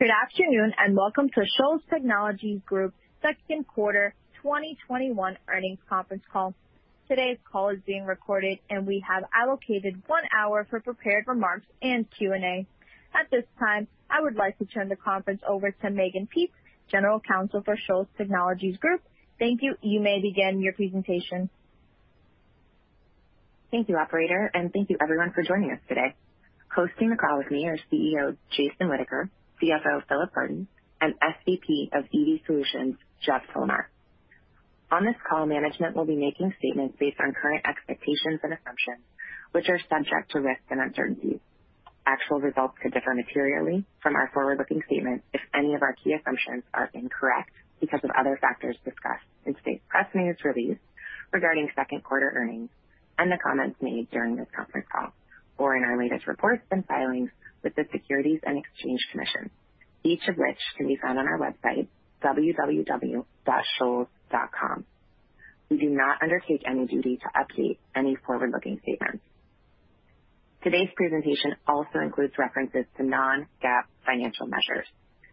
Good afternoon, welcome to Shoals Technologies Group second quarter 2021 earnings conference call. Today's call is being recorded, and we have allocated one hour for prepared remarks and Q&A. At this time, I would like to turn the conference over to Mehgan Peetz, General Counsel for Shoals Technologies Group. Thank you. You may begin your presentation. Thank you, operator, and thank you everyone for joining us today. Hosting the call with me are CEO Jason Whitaker, CFO Philip Garton, and SVP of EV Solutions Jeff Tolnar. On this call, management will be making statements based on current expectations and assumptions, which are subject to risks and uncertainties. Actual results could differ materially from our forward-looking statements if any of our key assumptions are incorrect because of other factors discussed in today's press news release regarding second quarter earnings and the comments made during this conference call, or in our latest reports and filings with the Securities and Exchange Commission, each of which can be found on our website, www.shoals.com. We do not undertake any duty to update any forward-looking statements. Today's presentation also includes references to non-GAAP financial measures.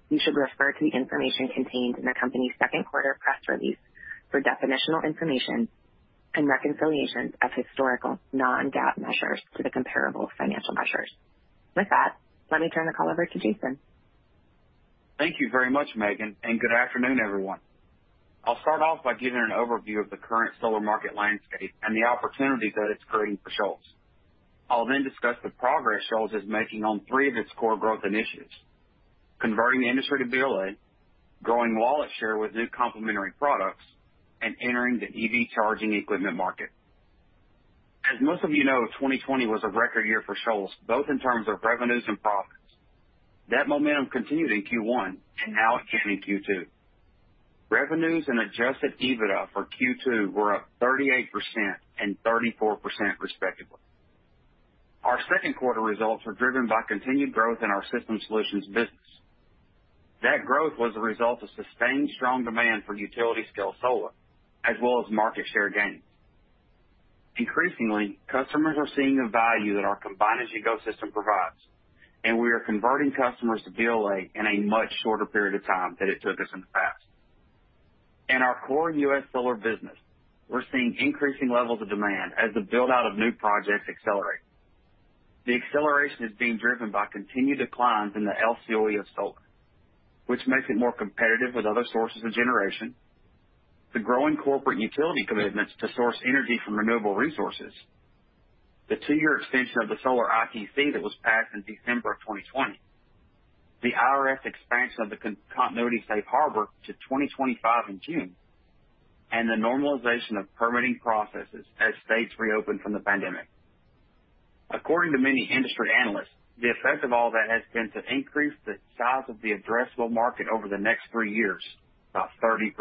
You should refer to the information contained in the company's second quarter press release for definitional information and reconciliations of historical non-GAAP measures to the comparable financial measures. With that, let me turn the call over to Jason. Thank you very much, Mehgan, and good afternoon, everyone. I'll start off by giving an overview of the current solar market landscape and the opportunity that it's creating for Shoals. I'll then discuss the progress Shoals is making on three of its core growth initiatives: converting the industry to BLA, growing wallet share with new complementary products, and entering the EV charging equipment market. As most of you know, 2020 was a record year for Shoals, both in terms of revenues and profits. That momentum continued in Q1, and now again in Q2. Revenues and adjusted EBITDA for Q2 were up 38% and 34% respectively. Our second quarter results were driven by continued growth in our System Solutions business. That growth was a result of sustained strong demand for utility scale solar, as well as market share gains. Increasingly, customers are seeing the value that our combine-as-you-go system provides, and we are converting customers to BLA in a much shorter period of time than it took us in the past. In our core U.S. solar business, we're seeing increasing levels of demand as the build-out of new projects accelerate. The acceleration is being driven by continued declines in the LCOE of solar, which makes it more competitive with other sources of generation, the growing corporate utility commitments to source energy from renewable resources, the two-year extension of the solar ITC that was passed in December of 2020, the IRS expansion of the Continuity Safe Harbor to 2025 in June, and the normalization of permitting processes as states reopen from the pandemic. According to many industry analysts, the effect of all that has been to increase the size of the addressable market over the next three years, by 30%.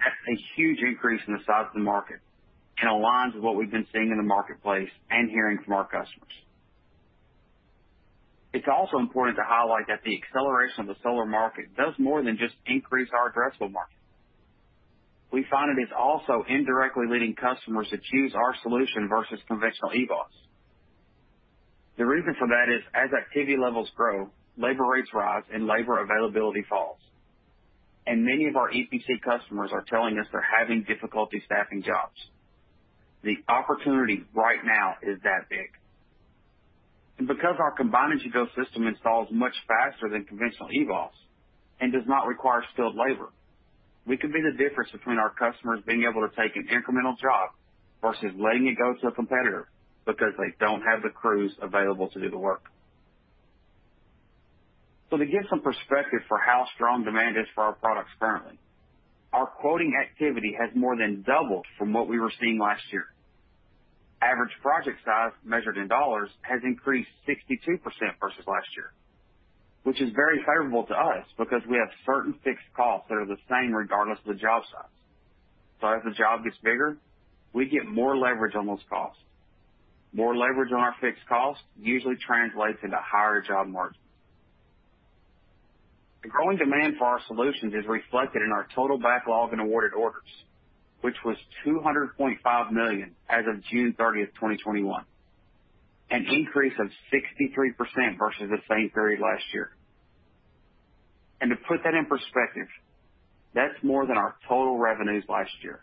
That's a huge increase in the size of the market and aligns with what we've been seeing in the marketplace and hearing from our customers. It's also important to highlight that the acceleration of the solar market does more than just increase our addressable market. We find it is also indirectly leading customers to choose our solution versus conventional EBOS. The reason for that is as activity levels grow, labor rates rise and labor availability falls. Many of our EPC customers are telling us they're having difficulty staffing jobs. The opportunity right now is that big. Because our Combine As You Go system installs much faster than conventional EBOS and does not require skilled labor, we can be the difference between our customers being able to take an incremental job versus letting it go to a competitor because they don't have the crews available to do the work. To give some perspective for how strong demand is for our products currently, our quoting activity has more than doubled from what we were seeing last year. Average project size measured in dollars has increased 62% versus last year, which is very favorable to us because we have certain fixed costs that are the same regardless of the job size. As the job gets bigger, we get more leverage on those costs. More leverage on our fixed costs usually translates into higher job margins. The growing demand for our solutions is reflected in our total backlog and awarded orders, which was $200.5 million as of June 30th, 2021, an increase of 63% versus the same period last year. To put that in perspective, that's more than our total revenues last year.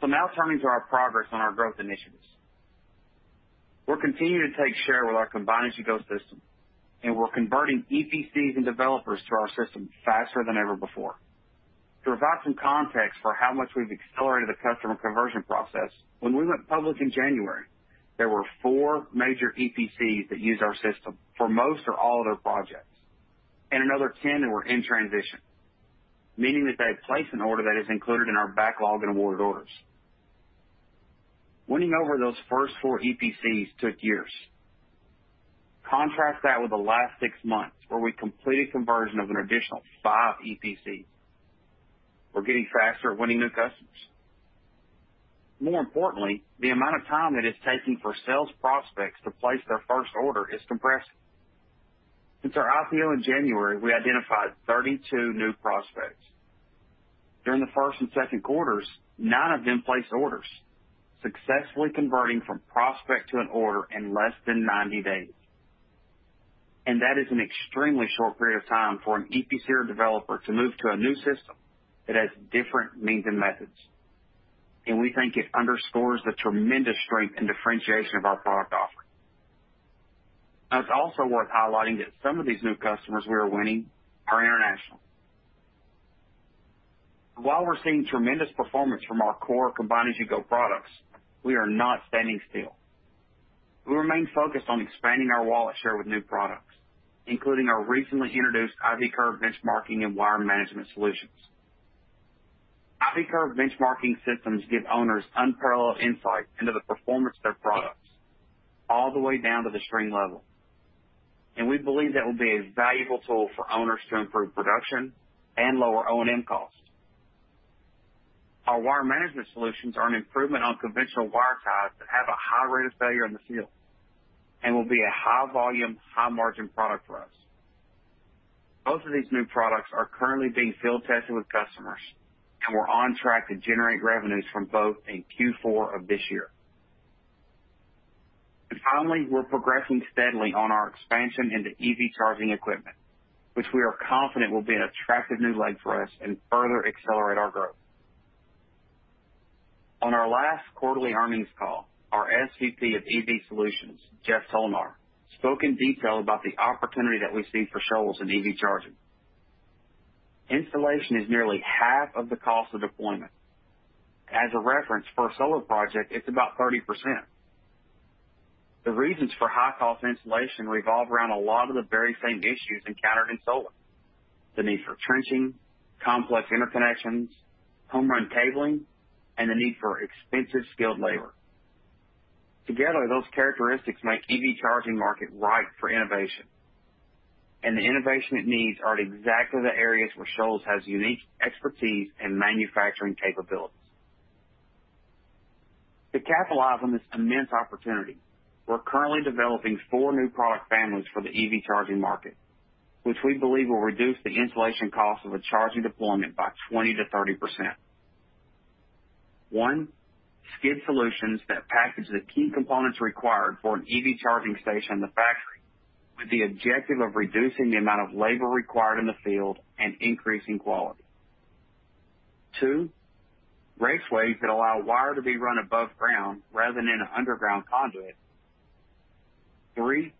Now turning to our progress on our growth initiatives. We're continuing to take share with our combine-as-you-go system, and we're converting EPCs and developers to our system faster than ever before. To provide some context for how much we've accelerated the customer conversion process, when we went public in January, there were four major EPCs that used our system for most or all of their projects, and another 10 that were in transition, meaning that they had placed an order that is included in our backlog and awarded orders. Winning over those first four EPCs took years. Contrast that with the last six months, where we completed conversion of an additional five EPCs. We're getting faster at winning new customers. More importantly, the amount of time that it's taking for sales prospects to place their first order is compressing. Since our IPO in January, we identified 32 new prospects. During the first and second quarters, nine of them placed orders, successfully converting from prospect to an order in less than 90 days. That is an extremely short period of time for an EPC or developer to move to a new system that has different means and methods, and we think it underscores the tremendous strength and differentiation of our product offering. It's also worth highlighting that some of these new customers we are winning are international. While we're seeing tremendous performance from our core combine-as-you-go products, we are not standing still. We remain focused on expanding our wallet share with new products, including our recently introduced IV Curve benchmarking and wire management solutions. IV Curve benchmarking systems give owners unparalleled insight into the performance of their products, all the way down to the string level, and we believe that will be a valuable tool for owners to improve production and lower O&M costs. Our wire management solutions are an improvement on conventional wire ties that have a high rate of failure in the field and will be a high-volume, high-margin product for us. Both of these new products are currently being field-tested with customers, and we're on track to generate revenues from both in Q4 of this year. Finally, we're progressing steadily on our expansion into EV charging equipment, which we are confident will be an attractive new leg for us and further accelerate our growth. On our last quarterly earnings call, our SVP of EV Solutions, Jeff Tolnar, spoke in detail about the opportunity that we see for Shoals in EV charging. Installation is nearly half of the cost of deployment. As a reference, for a solar project, it's about 30%. The reasons for high-cost installation revolve around a lot of the very same issues encountered in solar: the need for trenching, complex interconnections, home-run cabling, and the need for expensive skilled labor. Those characteristics make EV charging market ripe for innovation, and the innovation it needs are at exactly the areas where Shoals has unique expertise and manufacturing capabilities. To capitalize on this immense opportunity, we're currently developing four new product families for the EV charging market, which we believe will reduce the installation cost of a charging deployment by 20%-30%. One, skid solutions that package the key components required for an EV charging station in the factory with the objective of reducing the amount of labor required in the field and increasing quality. Two, raceways that allow wire to be run above ground rather than in an underground conduit. Three,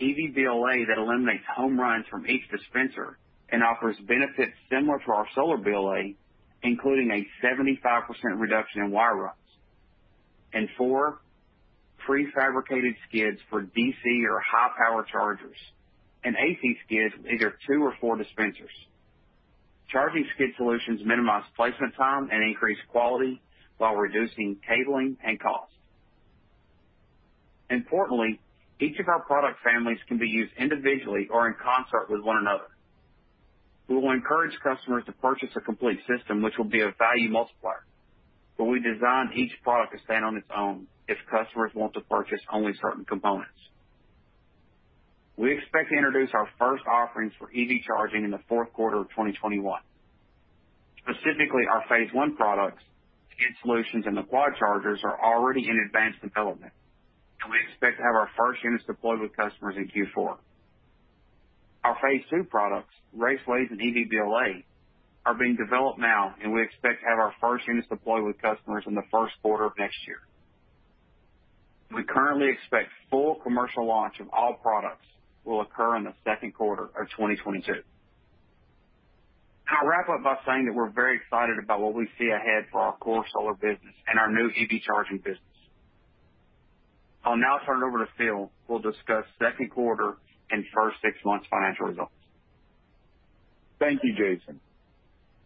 EV BLA that eliminates home runs from each dispenser and offers benefits similar to our solar BLA, including a 75% reduction in wire runs. Four, pre-fabricated skids for DC or high-power chargers and AC skids with either two or four dispensers. Charging skid solutions minimize placement time and increase quality while reducing cabling and cost. Importantly, each of our product families can be used individually or in concert with one another. We will encourage customers to purchase a complete system, which will be a value multiplier, but we designed each product to stand on its own if customers want to purchase only certain Components. We expect to introduce our first offerings for EV charging in the fourth quarter of 2021. Specifically, our phase 1 products, skid solutions, and the quad chargers are already in advanced development, and we expect to have our first units deployed with customers in Q4. Our phase 2 products, raceways and EV BLA, are being developed now, and we expect to have our first units deployed with customers in the first quarter of next year. We currently expect full commercial launch of all products will occur in the second quarter of 2022. I'll wrap up by saying that we're very excited about what we see ahead for our core solar business and our new EV charging business. I'll now turn it over to Phil, who will discuss second quarter and first six months financial results. Thank you, Jason.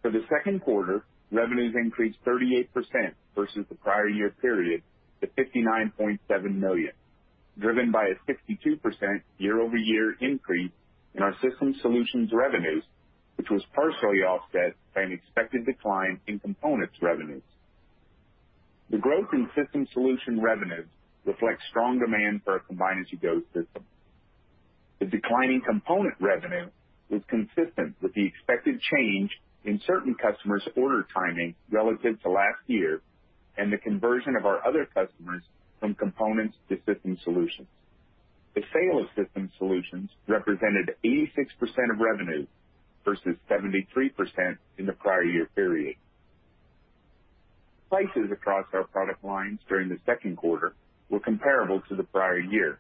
For the second quarter, revenues increased 38% versus the prior year period to $59.7 million, driven by a 62% year-over-year increase in our System Solutions revenues, which was partially offset by an expected decline in Components revenues. The growth in System Solutions revenues reflects strong demand for our combine-as-you-go system. The decline in Components revenue was consistent with the expected change in certain customers' order timing relative to last year and the conversion of our other customers from Components to System Solutions. The sale of System Solutions represented 86% of revenue versus 73% in the prior year period. Prices across our product lines during the second quarter were comparable to the prior year.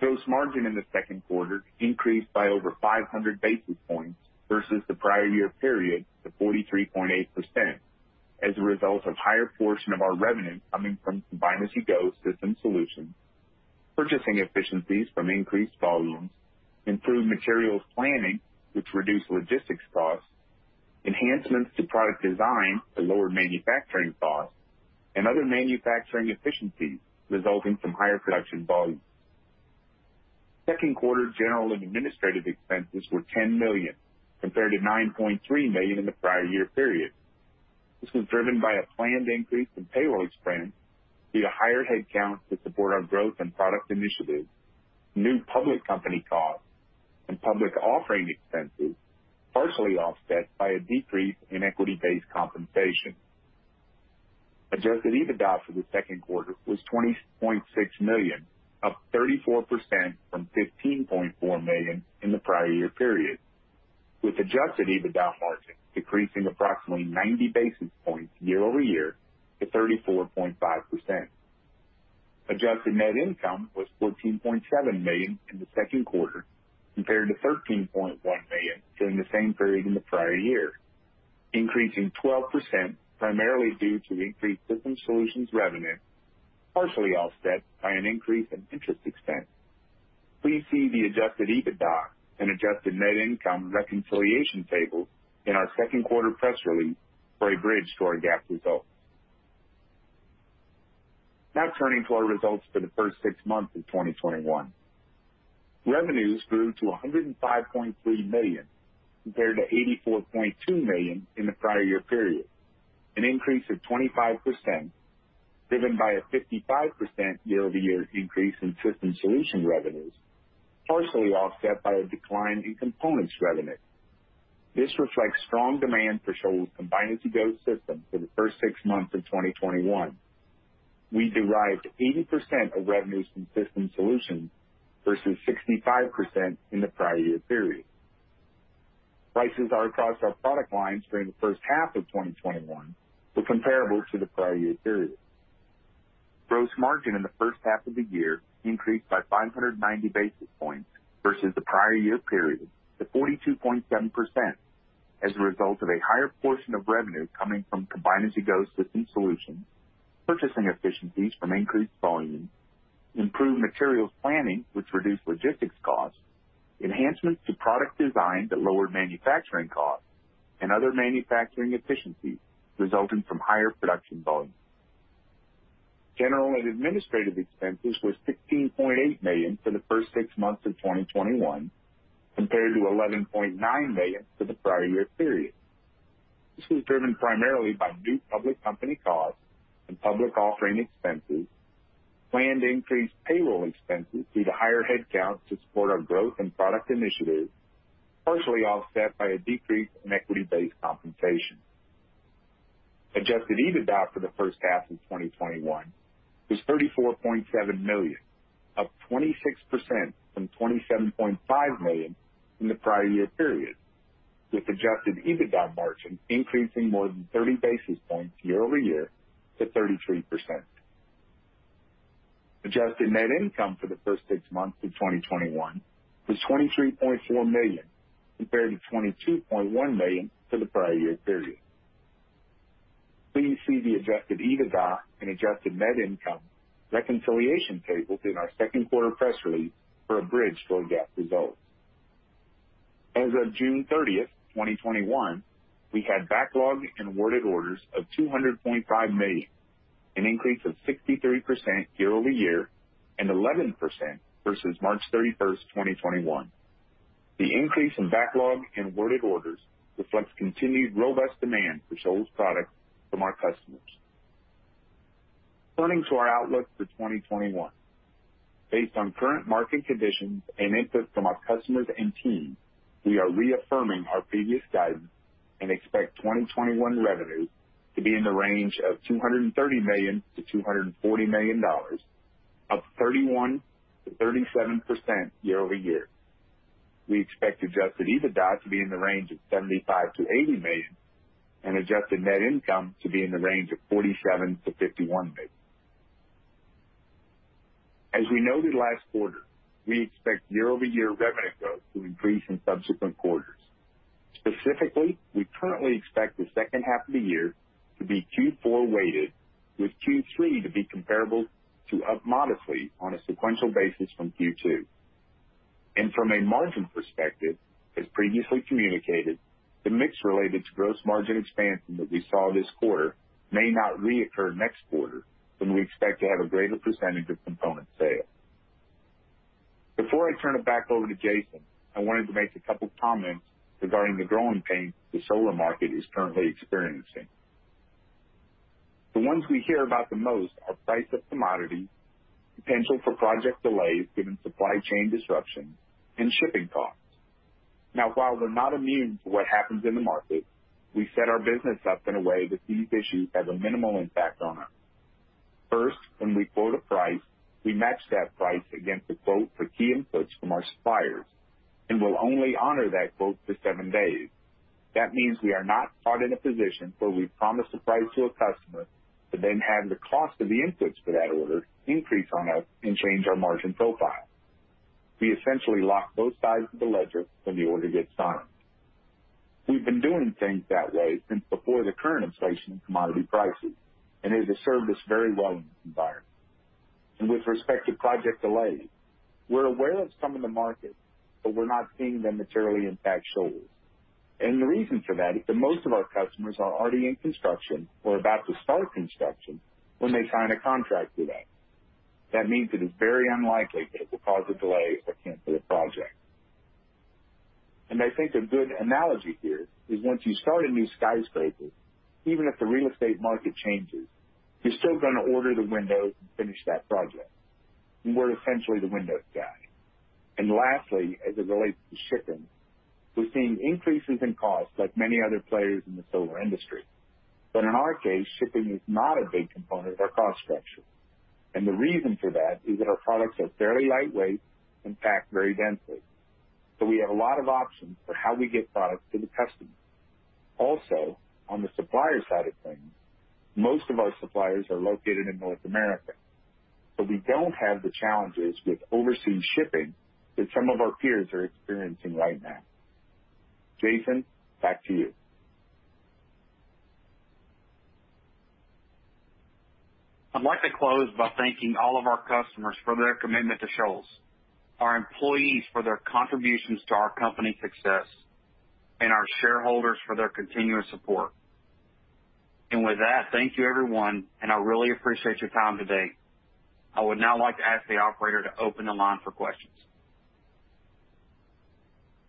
Gross margin in the second quarter increased by over 500 basis points versus the prior year period to 43.8% as a result of higher portion of our revenue coming from combine-as-you-go System Solutions, purchasing efficiencies from increased volumes, improved materials planning, which reduced logistics costs, enhancements to product design that lowered manufacturing costs, and other manufacturing efficiencies resulting from higher production volumes. was $34.7 million, up 26% from $27.5 million in the prior year period, with adjusted EBITDA margin increasing more than 30 basis points year-over-year to 33%. Adjusted net income for the first six months of 2021 was $23.4 million, compared to $22.1 million for the prior year period. Please see the adjusted EBITDA and adjusted net income reconciliation tables in our second quarter press release for a bridge to our GAAP results. As of June 30th, 2021, we had backlog and awarded orders of $200.5 million, an increase of 63% year-over-year and 11% versus March 31st, 2021. The increase in backlog and awarded orders reflects continued robust demand for Shoals products from our customers. Turning to our outlook for 2021. Based on current market conditions and input from our customers and teams, we are reaffirming our previous guidance and expect 2021 revenues to be in the range of $230 million-$240 million, up 31%-37% year-over-year. We expect adjusted EBITDA to be in the range of $75 million-$80 million and adjusted net income to be in the range of $47 million-$51 million. As we noted last quarter, we expect year-over-year revenue growth to increase in subsequent quarters. Specifically, we currently expect the second half of the year to be Q4 weighted, with Q3 to be comparable to up modestly on a sequential basis from Q2. From a margin perspective, as previously communicated, the mix related to gross margin expansion that we saw this quarter may not reoccur next quarter when we expect to have a greater percentage of component sales. Before I turn it back over to Jason, I wanted to make a couple comments regarding the growing pains the solar market is currently experiencing. The ones we hear about the most are price of commodities, potential for project delays given supply chain disruptions, and shipping costs. Now while we're not immune to what happens in the market, we set our business up in a way that these issues have a minimal impact on us. First, when we quote a price, we match that price against a quote for key inputs from our suppliers, and we'll only honor that quote for seven days. That means we are not put in a position where we promise a price to a customer, but then have the cost of the inputs for that order increase on us and change our margin profile. We essentially lock both sides of the ledger when the order gets signed. We've been doing things that way since before the current inflation in commodity prices, and it has served us very well in this environment. With respect to project delays, we're aware of some in the market, but we're not seeing them materially impact Shoals. The reason for that is that most of our customers are already in construction or about to start construction when they sign a contract with us. That means that it's very unlikely that it will cause a delay or cancel a project. I think a good analogy here is once you start a new skyscraper, even if the real estate market changes, you're still going to order the windows and finish that project. We're essentially the windows guy. Lastly, as it relates to shipping, we're seeing increases in cost like many other players in the solar industry. In our case, shipping is not a big component of our cost structure. The reason for that is that our products are fairly lightweight and packed very densely. We have a lot of options for how we get products to the customer. Also, on the supplier side of things, most of our suppliers are located in North America. We don't have the challenges with overseas shipping that some of our peers are experiencing right now. Jason, back to you. I'd like to close by thanking all of our customers for their commitment to Shoals, our employees for their contributions to our company success, and our shareholders for their continuous support. With that, thank you everyone, and I really appreciate your time today. I would now like to ask the operator to open the line for questions.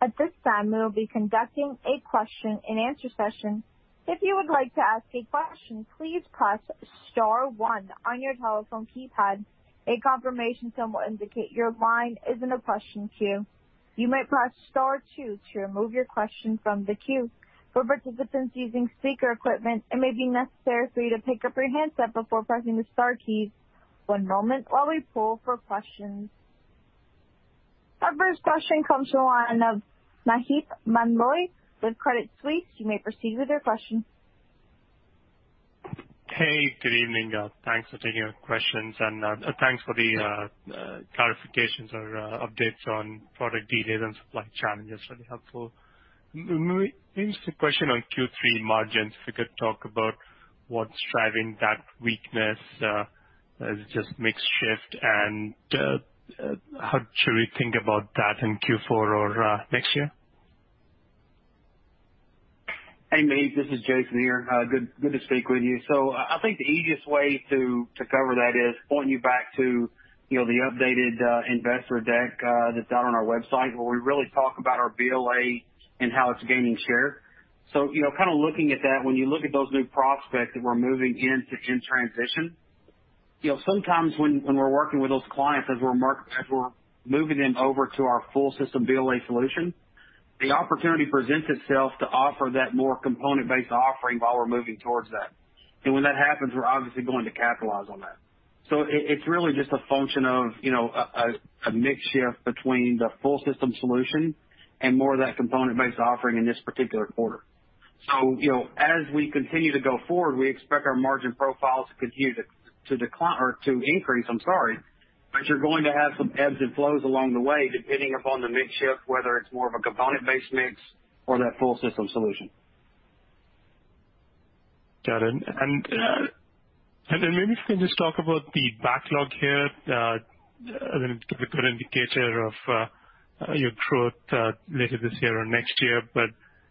At this time, we'll be conducting a question and answer session. If you would like to ask a question, please press star one on your telephone keypad. A confirmation tone will indicate your line is in the question queue. You may press star two to remove your question from the queue. For participants using speaker equipment, it may be necessary for you to pick up your handset before pressing the star keys. One moment while we poll for questions. Our first question comes from the line of Maheep Mandloi with Credit Suisse. You may proceed with your question. Hey, good evening. Thanks for taking our questions and thanks for the clarifications or updates on product details and supply challenges. That'd be helpful. Maybe just a question on Q3 margins, if you could talk about what's driving that weakness. Is it just mix shift? How should we think about that in Q4 or next year? Hey, Maheep. This is Jason here. Good to speak with you. I think the easiest way to cover that is point you back to the updated investor deck that's out on our website where we really talk about our BLA and how it's gaining share. Kind of looking at that, when you look at those new prospects that we're moving into in transition, sometimes when we're working with those clients as we're moving them over to our full system BLA solution, the opportunity presents itself to offer that more component-based offering while we're moving towards that. When that happens, we're obviously going to capitalize on that. It's really just a function of a mix shift between the full system solution and more of that component-based offering in this particular quarter. As we continue to go forward, we expect our margin profiles to continue to increase, I'm sorry, but you're going to have some ebbs and flows along the way, depending upon the mix shift, whether it's more of a component-based mix or that full System Solutions. Got it. Maybe if you can just talk about the backlog here, I think it could be a good indicator of your growth later this year or next year.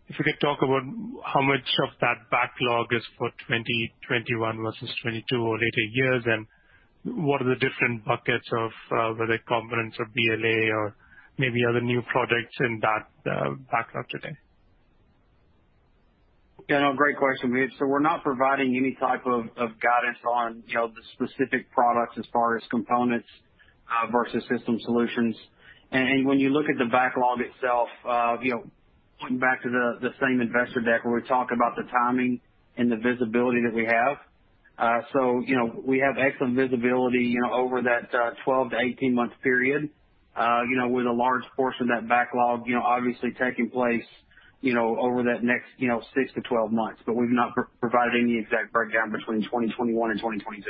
If we could talk about how much of that backlog is for 2021 versus 2022 or later years, and what are the different buckets of whether Components or BLA or maybe other new products in that backlog today? Yeah, no, great question, Maheep. We're not providing any type of guidance on the specific products as far as Components versus System Solutions. When you look at the backlog itself, going back to the same investor deck where we talk about the timing and the visibility that we have. We have excellent visibility over that 12 to 18-month period with a large portion of that backlog obviously taking place over that next 6-12 months. We've not provided any exact breakdown between 2021 and 2022.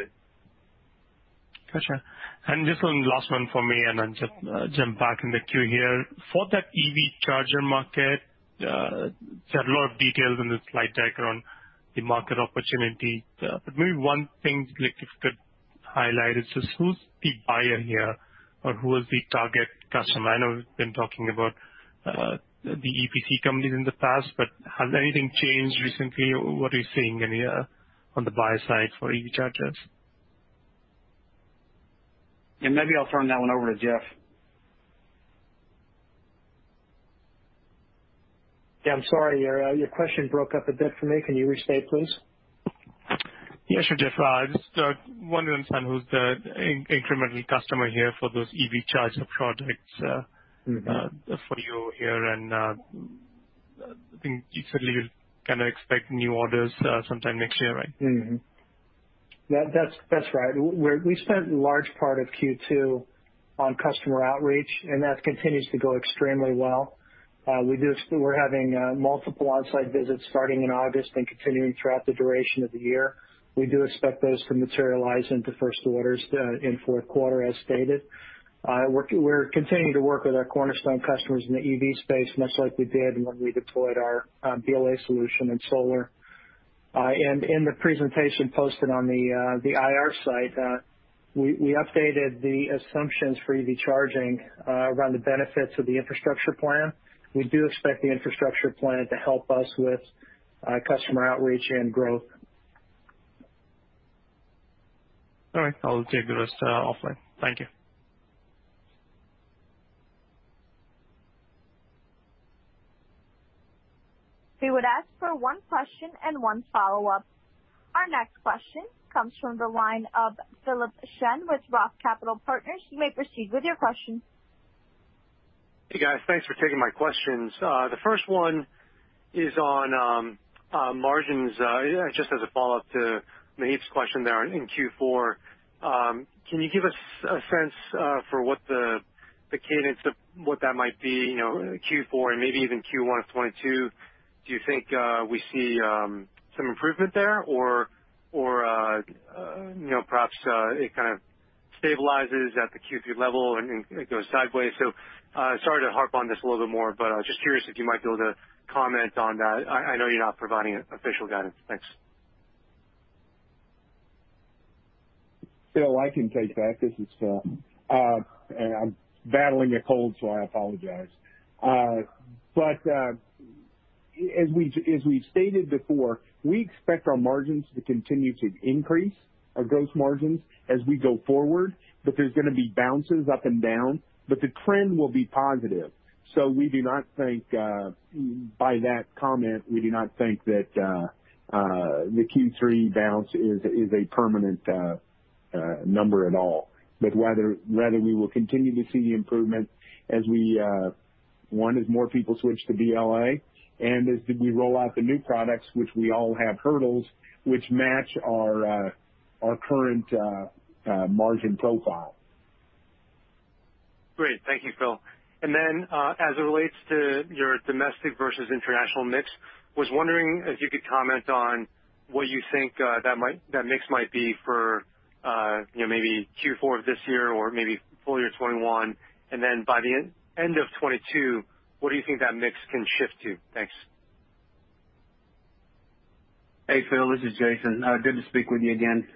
Got you. Just one last one from me, and then jump back in the queue here. For that EV charger market, saw a lot of details in the slide deck around the market opportunity. Maybe one thing, like if you could highlight is just who's the buyer here or who is the target customer? I know we've been talking about the EPC companies in the past, but has anything changed recently? What are you seeing on the buyer side for EV chargers? Yeah, maybe I'll turn that one over to Jeff. Yeah, I'm sorry, your question broke up a bit for me. Can you restate, please? Yeah, sure, Jeff. I just want to understand who's the incremental customer here for those EV charger projects for you here, I think you said you kind of expect new orders sometime next year, right? That's right. We spent a large part of Q2 on customer outreach, and that continues to go extremely well. We're having multiple on-site visits starting in August and continuing throughout the duration of the year. We do expect those to materialize into first orders in fourth quarter, as stated. We're continuing to work with our cornerstone customers in the EV space, much like we did when we deployed our BLA solution in solar. In the presentation posted on the IR site, we updated the assumptions for EV charging around the benefits of the infrastructure plan. We do expect the infrastructure plan to help us with customer outreach and growth. All right. I'll take the rest offline. Thank you. We would ask for one question and one follow-up. Our next question comes from the line of Philip Shen with Roth Capital Partners. You may proceed with your question. Hey, guys. Thanks for taking my questions. The first one is on margins. Just as a follow-up to Maheep's question there in Q4, can you give us a sense for what the cadence of what that might be, Q4 and maybe even Q1 of 2022? Do you think we see some improvement there or perhaps it kind of stabilizes at the Q3 level and it goes sideways? Sorry to harp on this a little bit more, but I was just curious if you might be able to comment on that. I know you're not providing official guidance. Thanks. Phil, I can take that. This is Phil. I'm battling a cold. I apologize. As we've stated before, we expect our margins to continue to increase, our gross margins, as we go forward. There's going to be bounces up and down, but the trend will be positive. By that comment, we do not think that the Q3 bounce is a permanent number at all. Rather, we will continue to see the improvement as, one, as more people switch to BLA, and as we roll out the new products, which we all have hurdles, which match our current margin profile. Great. Thank you, Philip. As it relates to your domestic versus international mix, was wondering if you could comment on what you think that mix might be for maybe Q4 of this year or maybe full year 2021, and then by the end of 2022, what do you think that mix can shift to? Thanks. Hey, Philip, this is Jason. Good to speak with you again.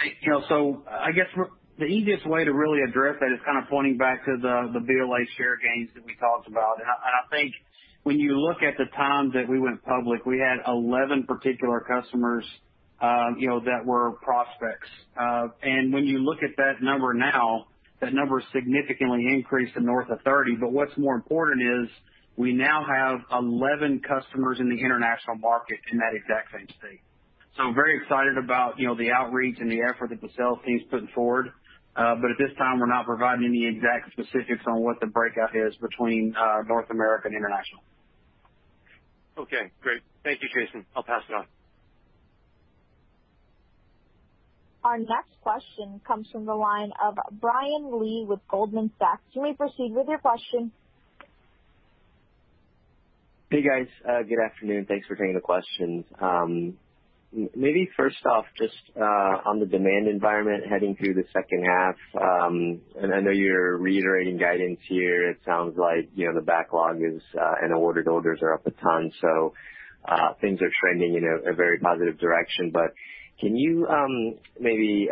I guess the easiest way to really address that is kind of pointing back to the BLA share gains that we talked about. I think when you look at the time that we went public, we had 11 particular customers that were prospects. When you look at that number now, that number has significantly increased to north of 30. What's more important is we now have 11 customers in the international market in that exact same state. Very excited about the outreach and the effort that the sales team's putting forward. At this time, we're not providing any exact specifics on what the breakout is between North America and international. Okay, great. Thank you, Jason. I'll pass it on. Our next question comes from the line of Brian Lee with Goldman Sachs. You may proceed with your question. Hey, guys. Good afternoon. Thanks for taking the questions. Maybe first off, just on the demand environment heading through the second half, and I know you're reiterating guidance here, it sounds like the backlog and ordered orders are up a ton, so things are trending in a very positive direction. Can you maybe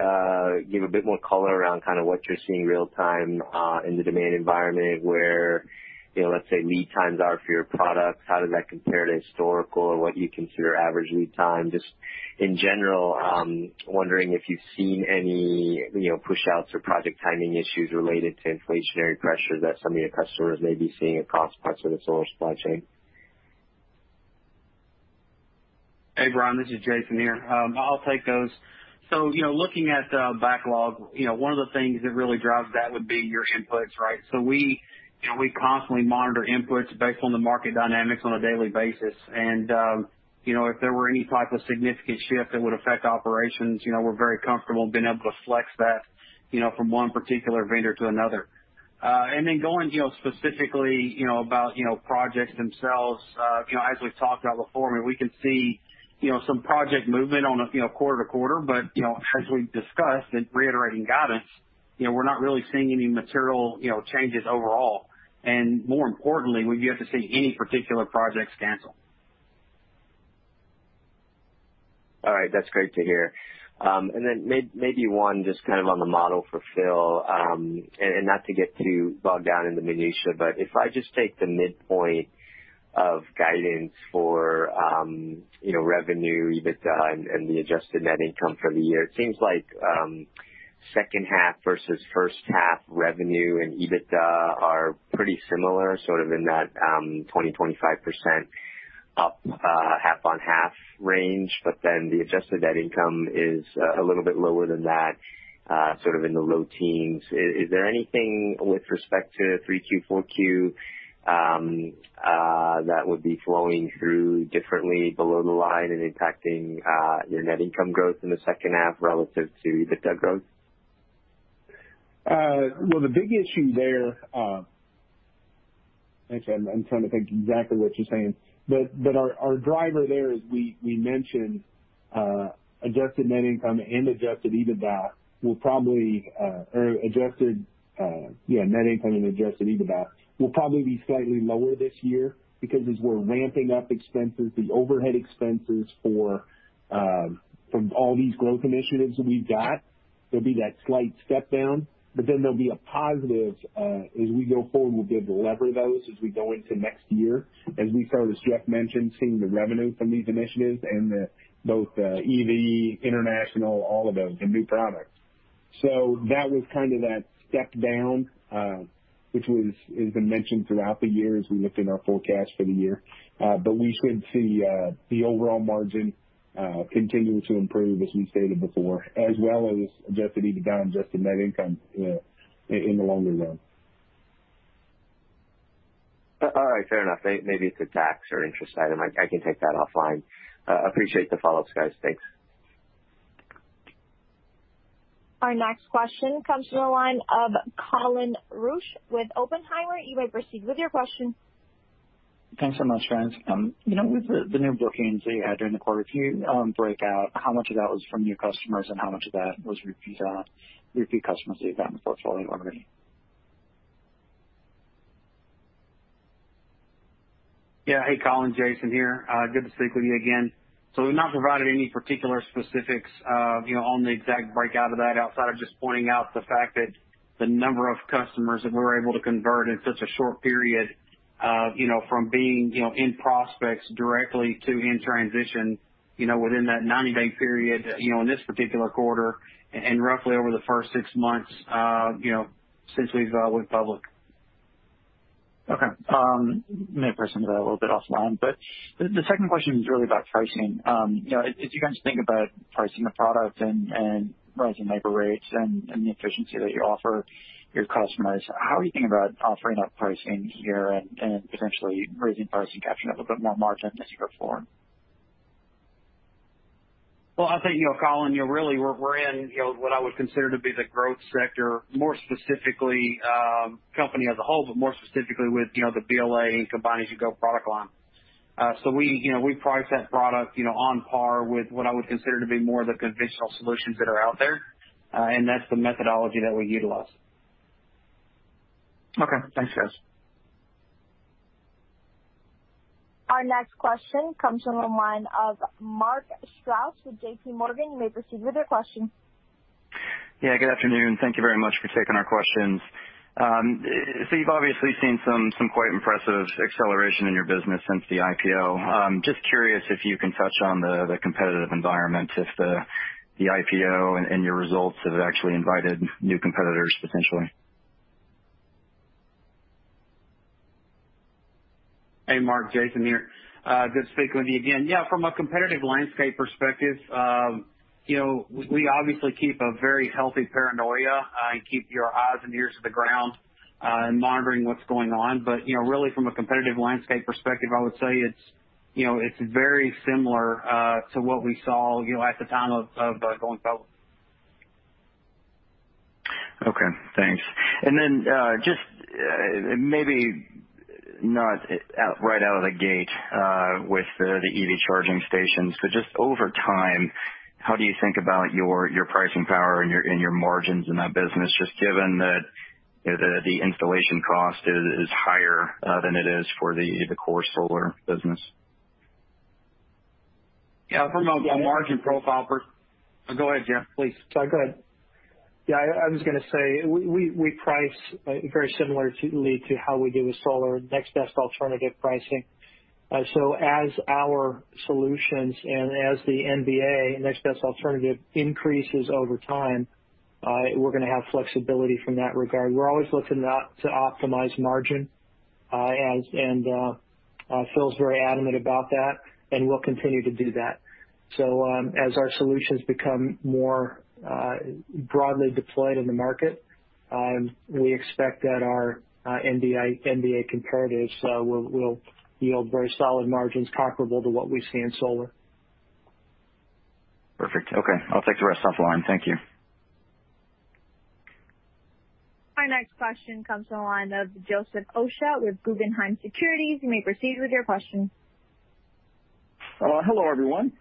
give a bit more color around what you're seeing real-time in the demand environment where, let's say, lead times are for your products? How does that compare to historical or what you consider average lead time? Just in general, wondering if you've seen any push outs or project timing issues related to inflationary pressures that some of your customers may be seeing across parts of the solar supply chain. Hey, Brian, this is Jason here. I'll take those. Looking at the backlog, one of the things that really drives that would be your inputs, right? We constantly monitor inputs based on the market dynamics on a daily basis. If there were any type of significant shift that would affect operations, we're very comfortable being able to flex that from one particular vendor to another. Going specifically about projects themselves, as we've talked about before, I mean, we can see some project movement on a quarter-to-quarter, but as we've discussed in reiterating guidance, we're not really seeing any material changes overall. More importantly, we've yet to see any particular project canceled. All right. That's great to hear. Then maybe one just kind of on the model for Phil, and not to get too bogged down in the minutia. If I just take the midpoint of guidance for revenue, EBITDA, and the adjusted net income for the year, it seems like second half versus first half revenue and EBITDA are pretty similar, sort of in that 20%, 25% up half-on-half range. Then the adjusted net income is a little bit lower than that, sort of in the low teens. Is there anything with respect to 3Q, 4Q that would be flowing through differently below the line and impacting your net income growth in the second half relative to EBITDA growth? The big issue there, actually, I'm trying to think exactly what you're saying. Our driver there, as we mentioned, adjusted net income and adjusted EBITDA will probably be slightly lower this year because as we're ramping up expenses, the overhead expenses from all these growth initiatives that we've got, there'll be that slight step down. There'll be a positive as we go forward, we'll be able to lever those as we go into next year, as we start, as Jeff mentioned, seeing the revenue from these initiatives and both EV, international, all of those, and new products. That was that step down which has been mentioned throughout the year as we looked in our forecast for the year. We should see the overall margin continue to improve as we stated before, as well as adjusted EBITDA and adjusted net income in the longer run. All right. Fair enough. Maybe it's a tax or interest item. I can take that offline. Appreciate the follow-ups, guys. Thanks. Our next question comes from the line of Colin Rusch with Oppenheimer. You may proceed with your question. Thanks so much, friends. With the new bookings that you had during the quarter, can you break out how much of that was from new customers and how much of that was repeat customers that you've got in the portfolio already? Yeah. Hey, Colin, Jason here. Good to speak with you again. We've not provided any particular specifics on the exact breakout of that, outside of just pointing out the fact that the number of customers that we were able to convert in such a short period from being in prospects directly to in transition within that 90-day period, in this particular quarter, and roughly over the first six months since we've went public. Okay. May pursue that a little bit offline. The second question is really about pricing. As you guys think about pricing the product and rising labor rates and the efficiency that you offer your customers, how are you thinking about offering up pricing here and potentially raising pricing, capturing a little bit more margin as you perform? Well, I think, Colin, really we're in what I would consider to be the growth sector, more specifically, company as a whole, but more specifically with the BLA and combine-as-you-go product line. We price that product on par with what I would consider to be more the conventional solutions that are out there, and that's the methodology that we utilize. Okay. Thanks, guys. Our next question comes from the line of Mark Strouse with JPMorgan. You may proceed with your question. Yeah, good afternoon. Thank you very much for taking our questions. You've obviously seen some quite impressive acceleration in your business since the IPO. Just curious if you can touch on the competitive environment, if the IPO and your results have actually invited new competitors potentially? Hey, Mark, Jason here. Good speaking with you again. Yeah, from a competitive landscape perspective, we obviously keep a very healthy paranoia and keep your eyes and ears to the ground, and monitoring what's going on. Really from a competitive landscape perspective, I would say it's very similar to what we saw at the time of going public. Okay, thanks. Then, just maybe not right out of the gate with the EV charging stations, but just over time, how do you think about your pricing power and your margins in that business, just given that the installation cost is higher than it is for the core solar business? Yeah. From a margin profile. Go ahead, Jeff, please. Sorry. Go ahead. Yeah, I was going to say, we price very similarly to how we do with solar, next best alternative pricing. As our solutions and as the NBA, next best alternative, increases over time, we're going to have flexibility from that regard. We're always looking to optimize margin, and Phil's very adamant about that, and we'll continue to do that. As our solutions become more broadly deployed in the market, we expect that our NBA comparatives will yield very solid margins comparable to what we see in solar. Perfect. Okay. I'll take the rest offline. Thank you. Our next question comes from the line of Joseph Osha with Guggenheim Securities. You may proceed with your question. Hello, everyone.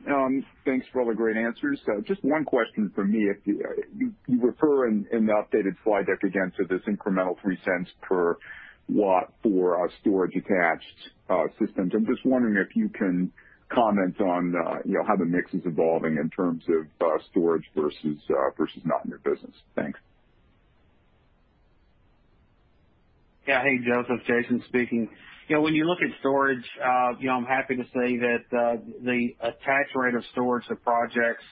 Thanks for all the great answers. Just one question from me. You refer in the updated slide deck again to this incremental $0.03 per watt for storage-attached systems. I'm just wondering if you can comment on how the mix is evolving in terms of storage versus not in your business. Thanks. Yeah. Hey, Joseph, Jason speaking. When you look at storage, I'm happy to say that the attach rate of storage to projects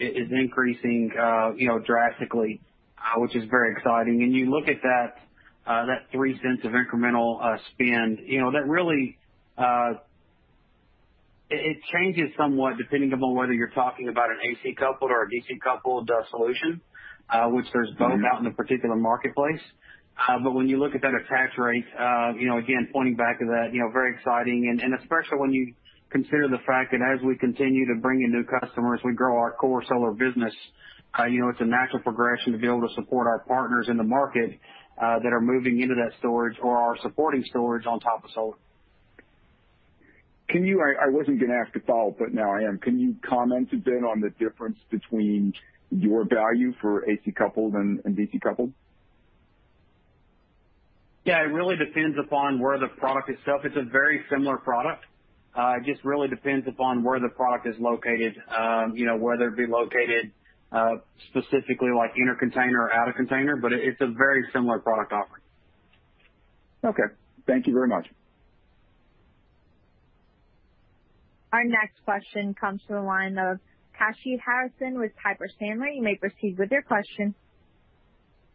is increasing drastically, which is very exciting. When you look at that $0.03 of incremental spend, it changes somewhat depending upon whether you're talking about an AC-coupled or a DC-coupled solution, which there's both out in the particular marketplace. When you look at that attach rate, again, pointing back to that, very exciting, and especially when you consider the fact that as we continue to bring in new customers, we grow our core solar business. It's a natural progression to be able to support our partners in the market that are moving into that storage or are supporting storage on top of solar. I wasn't going to ask a follow-up, but now I am. Can you comment a bit on the difference between your value for AC-coupled and DC-coupled? Yeah, it really depends upon where the product is. It's a very similar product. It just really depends upon where the product is located, whether it be located specifically in a container or out of container, but it's a very similar product offering. Okay. Thank you very much. Our next question comes from the line of Kashy Harrison with Piper Sandler. You may proceed with your question.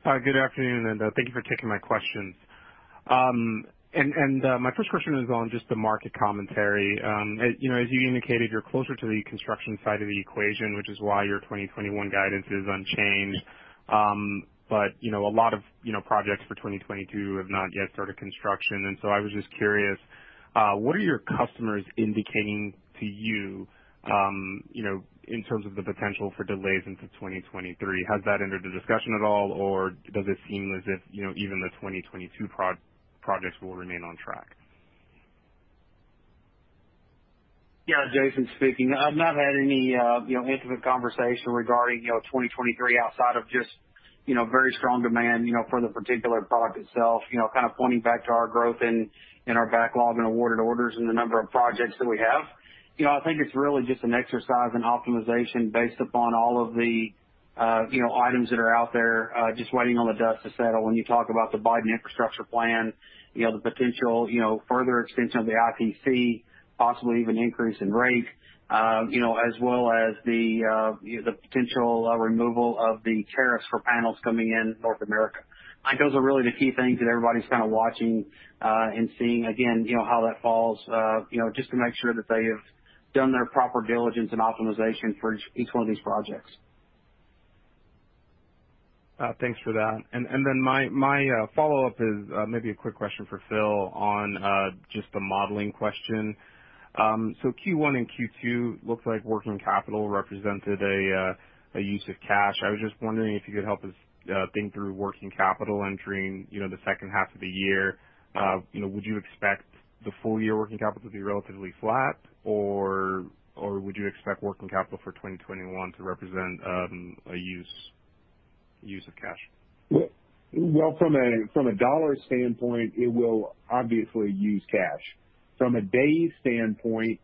Good afternoon. Thank you for taking my questions. My first question is on just the market commentary. As you indicated, you're closer to the construction side of the equation, which is why your 2021 guidance is unchanged. A lot of projects for 2022 have not yet started construction. I was just curious, what are your customers indicating to you in terms of the potential for delays into 2023? Has that entered the discussion at all, or does it seem as if even the 2022 projects will remain on track? Yeah. Jason speaking. I've not had any intimate conversation regarding 2023 outside of just very strong demand for the particular product itself, kind of pointing back to our growth and our backlog and awarded orders and the number of projects that we have. I think it's really just an exercise in optimization based upon all of the items that are out there just waiting on the dust to settle. When you talk about the Biden infrastructure plan, the potential further extension of the ITC, possibly even increase in rate, as well as the potential removal of the tariffs for panels coming in North America. I think those are really the key things that everybody's kind of watching and seeing, again, how that falls, just to make sure that they have done their proper diligence and optimization for each one of these projects. Thanks for that. Then my follow-up is maybe a quick question for Phil on just the modeling question. Q1 and Q2 looked like working capital represented a use of cash. I was just wondering if you could help us think through working capital entering the second half of the year. Would you expect the full-year working capital to be relatively flat, or would you expect working capital for 2021 to represent a use of cash? Well, from a dollar standpoint, it will obviously use cash. From a day standpoint,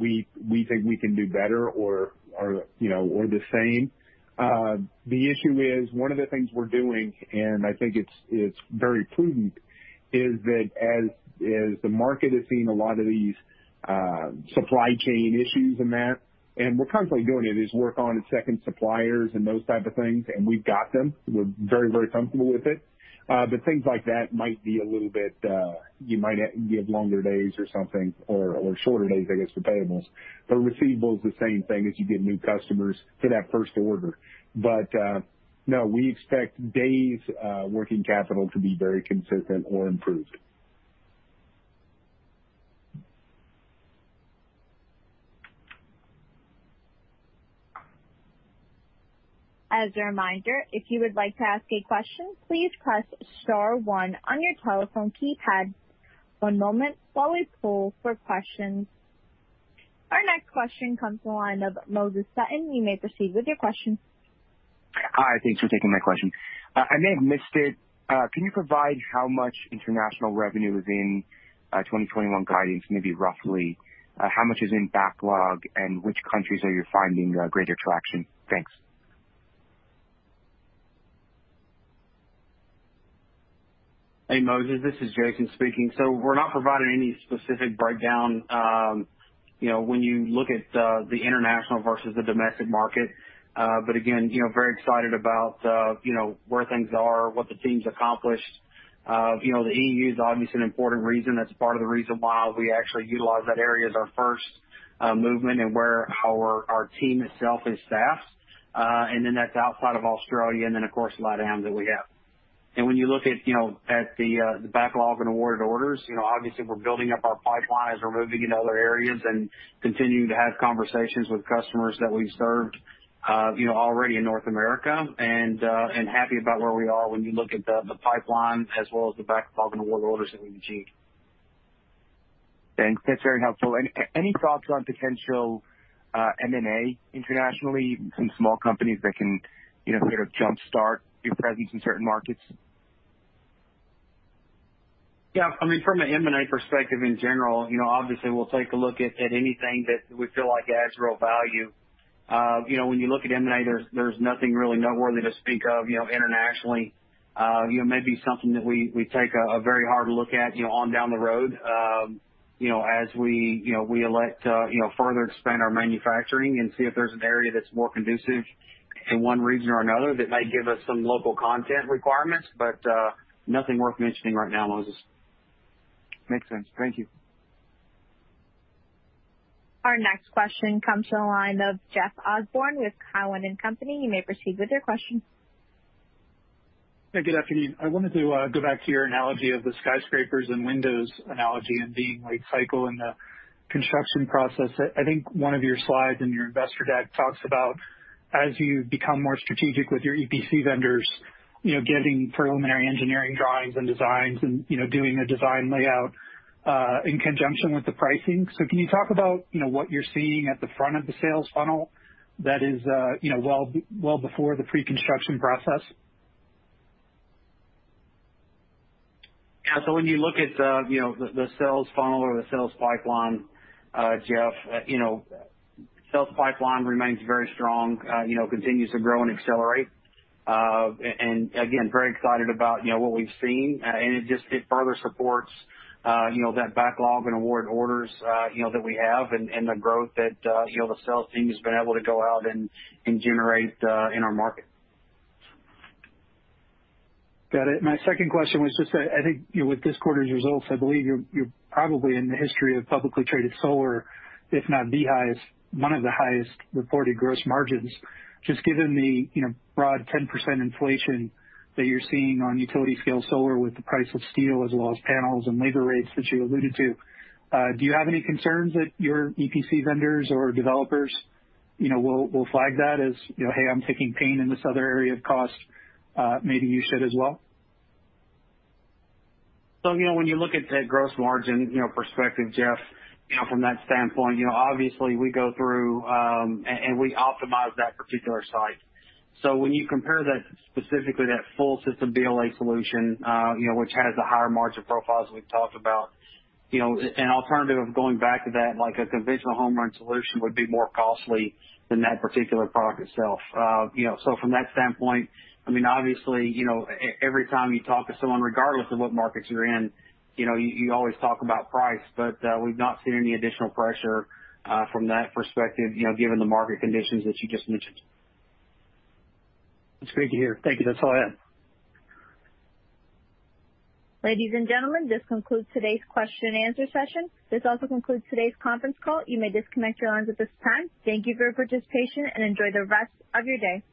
we think we can do better or the same. The issue is, one of the things we're doing, and I think it's very prudent, is that as the market is seeing a lot of these supply chain issues and that, and we're constantly doing it, is work on second suppliers and those type of things, and we've got them. We're very, very comfortable with it. Things like that might be a little bit, you might have longer days or something, or shorter days, I guess, for payables. Receivables, the same thing, as you get new customers for that first order. No, we expect days working capital to be very consistent or improved. Our next question comes from the line of Moses Sutton. You may proceed with your question. Hi, thanks for taking my question. I may have missed it. Can you provide how much international revenue is in 2021 guidance, maybe roughly? How much is in backlog, and which countries are you finding greater traction? Thanks. Hey, Moses, this is Jason speaking. We're not providing any specific breakdown when you look at the international versus the domestic market. Again, very excited about where things are, what the team's accomplished. The EU is obviously an important reason. That's part of the reason why we actually utilize that area as our first movement and where our team itself is staffed. That's outside of Australia, of course, LATAM that we have. When you look at the backlog and awarded orders, obviously, we're building up our pipelines or moving into other areas and continuing to have conversations with customers that we've served already in North America, and happy about where we are when you look at the pipeline as well as the backlog and award orders that we achieved. Thanks. That's very helpful. Any thoughts on potential M&A internationally from small companies that can sort of jumpstart your presence in certain markets? Yeah. From an M&A perspective in general, obviously, we'll take a look at anything that we feel like adds real value. When you look at M&A, there's nothing really noteworthy to speak of internationally. Maybe something that we take a very hard look at on down the road, as we elect further to expand our manufacturing and see if there's an area that's more conducive in one region or another that might give us some local content requirements. Nothing worth mentioning right now, Moses. Makes sense. Thank you. Our next question comes from the line of Jeff Osborne with Cowen and Company. You may proceed with your question. Yeah, good afternoon. I wanted to go back to your analogy of the skyscrapers and windows analogy and being late cycle in the construction process. I think one of your slides in your investor deck talks about as you become more strategic with your EPC vendors, getting preliminary engineering drawings and designs and doing a design layout in conjunction with the pricing. Can you talk about what you're seeing at the front of the sales funnel that is well before the pre-construction process? Yeah. When you look at the sales funnel or the sales pipeline, Jeff, sales pipeline remains very strong, continues to grow and accelerate. Again, very excited about what we've seen. It further supports that backlog and award orders that we have and the growth that the sales team has been able to go out and generate in our market. Got it. My second question was, I think with this quarter's results, I believe you're probably in the history of publicly traded solar, if not the highest, one of the highest reported gross margins. Just given the broad 10% inflation that you're seeing on utility-scale solar with the price of steel as well as panels and labor rates that you alluded to, do you have any concerns that your EPC vendors or developers will flag that as, "Hey, I'm taking pain in this other area of cost. Maybe you should as well?'' When you look at that gross margin perspective, Jeff, from that standpoint, obviously, we go through, and we optimize that particular site. When you compare that specifically, that full system BLA solution which has the higher margin profiles we've talked about, an alternative of going back to that, like a conventional home run solution would be more costly than that particular product itself. From that standpoint, obviously, every time you talk to someone, regardless of what markets you're in, you always talk about price. We've not seen any additional pressure from that perspective given the market conditions that you just mentioned. That's great to hear. Thank you. That's all I have. Ladies and gentlemen, this concludes today's question and answer session. This also concludes today's conference call. You may disconnect your lines at this time. Thank you for your participation, and enjoy the rest of your day.